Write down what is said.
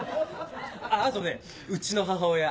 あとねうちの母親